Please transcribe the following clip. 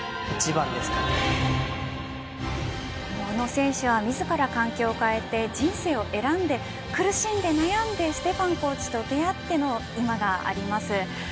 宇野選手は、自ら環境を変えて人生を選んで苦しんで悩んでステファンコーチと出会っての今があります。